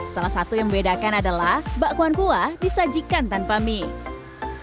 salah satu yang membedakan adalah bakwan kuah disajikan tanpa mie